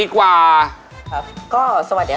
ก้าว๑เบอร์๑